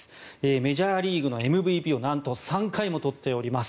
メジャーリーグのＭＶＰをなんと３回も取っております。